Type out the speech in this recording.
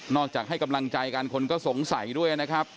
จากให้กำลังใจกันคนก็สงสัยด้วยนะครับ